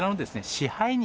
支配人。